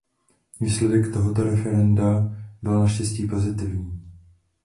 Výsledek tohoto referenda byl naštěstí pozitivní.